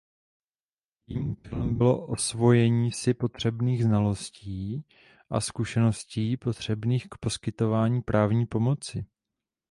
Jejím účelem bylo osvojení si potřebných znalostí a zkušeností potřebných k poskytování právní pomoci.